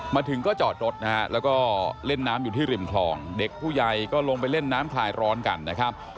มาถึงก็จอดรถนะฮะแล้วก็เล่นน้ำอยู่ที่ริมคลองเด็กผู้ใหญ่ก็ลงไปเล่นน้ำคลายร้อนกันนะครับ